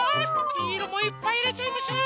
きいろもいっぱいいれちゃいましょう！